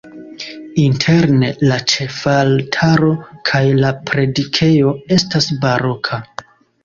Interne la ĉefaltaro kaj la predikejo estas baroka.